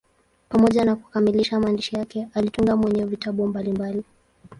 Pamoja na kukamilisha maandishi yake, alitunga mwenyewe vitabu mbalimbali.